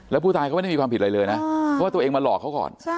แล้วผู้ตายเขาไม่ได้มีความผิดอะไรเลยนะเพราะว่าตัวเองมาหลอกเขาก่อน